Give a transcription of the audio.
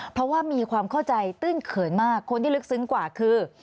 เพราะว่ามีความเข้าใจตื้นเขินมากคนที่ลึกซึ้งกว่าคือ